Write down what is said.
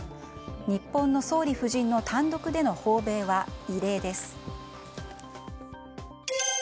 日本の総理夫人の単独での訪米は異例です。